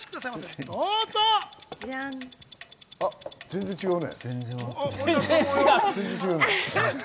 全然違うね。